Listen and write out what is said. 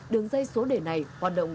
đường dây số đề này hoạt động